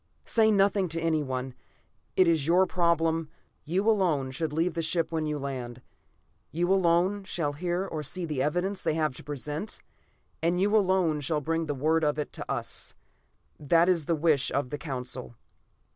"Say nothing to anyone. It is your problem. You alone should leave the ship when you land; you alone shall hear or see the evidence they have to present, and you alone shall bring word of it to us. That is the wish of the Council."